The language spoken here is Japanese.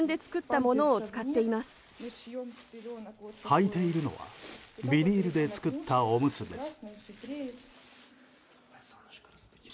はいているのはビニールで作ったおむつです。